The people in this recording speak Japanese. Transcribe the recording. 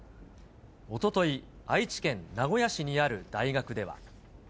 おととい、愛知県名古屋市にある大学では。